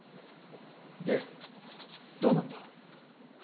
でどうなんだ？